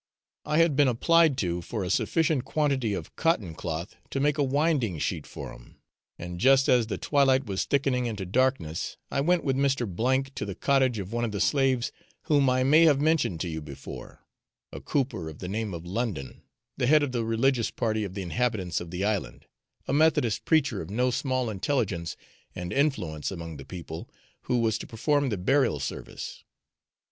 I had been applied to for a sufficient quantity of cotton cloth to make a winding sheet for him, and just as the twilight was thickening into darkness I went with Mr. to the cottage of one of the slaves whom I may have mentioned to you before a cooper of the name of London, the head of the religious party of the inhabitants of the island, a methodist preacher of no small intelligence and influence among the people who was to perform the burial service.